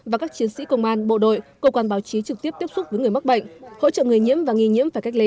và các chiến sĩ công an bộ đội cơ quan báo chí trực tiếp tiếp xúc với người mắc bệnh hỗ trợ người nhiễm và nghi nhiễm phải cách ly